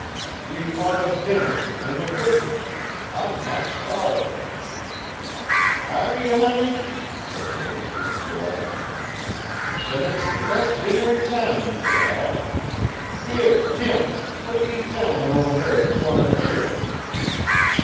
"We want a dinner, and a good one. I'm half starved." "Are ye, honey?" said the woman with delight. "Then it's the best dinner in town ye shall have. Here, Jim! Put these gentlemen over there at the corner table."